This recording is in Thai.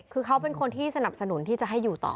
คือเขาเป็นคนที่สนับสนุนที่จะให้อยู่ต่อ